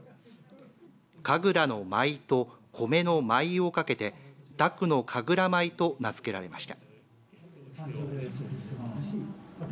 神楽の舞と米の米をかけて宅野神楽米と名付けられました。